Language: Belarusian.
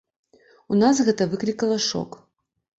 У нас гэта выклікала шок.